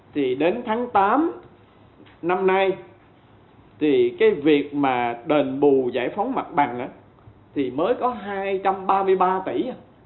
thì đến tháng tám năm nay thì cái việc mà đền bù giải phóng mặt bằng thì mới có hai trăm ba mươi ba tỷ